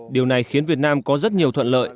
điều này khiến việt nam có rất nhiều thuận lợi